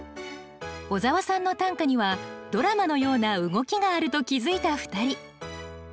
小沢さんの短歌にはドラマのような動きがあると気付いた２人。